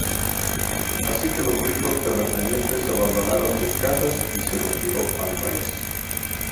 Así que los ricos terratenientes abandonaron sus casas y se retiró al país.